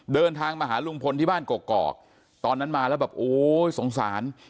เดินทางมาหาลุงพลที่บ้านกอกตอนนั้นมาแล้วแบบโอ้ยสงสาร